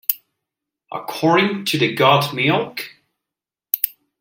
According to the Got Milk?